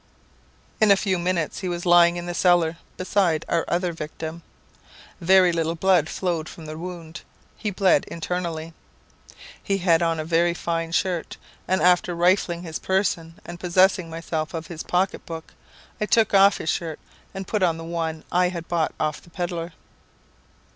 "In a few minutes he was lying in the cellar, beside our other victim. Very little blood flowed from the wound; he bled internally. He had on a very fine shirt; and after rifling his person, and possessing myself of his pocketbook, I took off his shirt, and put on the one I had bought of the pedlar."